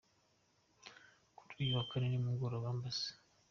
Kuri uyu wa kane nimugoroba, Amb.